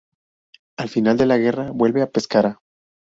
Al final de la guerra vuelve a Pescara.